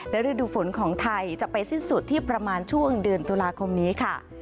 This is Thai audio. และฤดูฝนของไทยจะไปสิ้นสุดที่ประมาณช่วงเดือนตุลาคมนี้ค่ะ